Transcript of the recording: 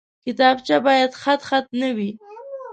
کتابچه باید خطخط نه وي